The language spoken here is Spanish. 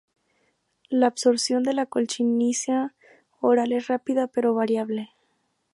La absorción de la colchicina oral es rápida pero variable.